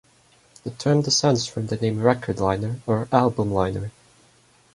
The term descends from the name "record liner" or "album liner".